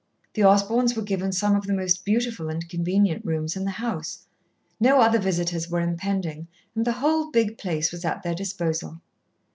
The Osborns were given some of the most beautiful and convenient rooms in the house. No other visitors were impending and the whole big place was at their disposal.